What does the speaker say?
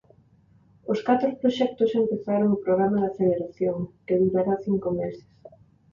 Os catro proxectos xa empezaron o programa de aceleración, que durará cinco meses.